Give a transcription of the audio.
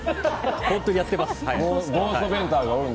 本当にやってます。